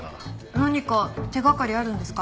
何か手掛かりあるんですか？